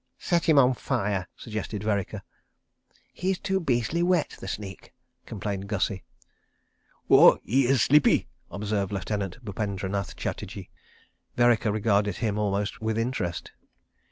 "Set him on fire," suggested Vereker. "He's too beastly wet, the sneak," complained Gussie. "Oah, he iss sleepee," observed Lieutenant Bupendranath Chatterji. Vereker regarded him almost with interest.